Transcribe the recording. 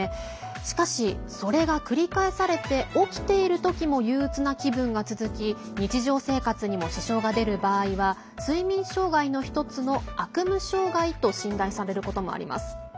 しかし、それが繰り返されて起きている時も憂うつな気分が続き日常生活にも支障が出る場合は睡眠障害の一つの、悪夢障害と診断されることもあります。